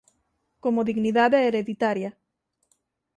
Como dignidade hereditaria